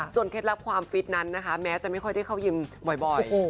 เคล็ดลับความฟิตนั้นนะคะแม้จะไม่ค่อยได้เข้ายิมบ่อย